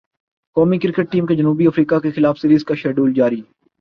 قومی cricket team کے جنوبی افریقہ کیخلاف سیریز کا شیڈول جاری